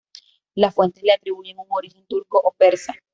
Las fuentes le atribuyen un origen turco o persa.